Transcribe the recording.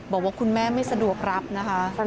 บอกว่าคุณแม่ไม่สะดวกรับนะคะ